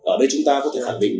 ở đây chúng ta có thể khẳng định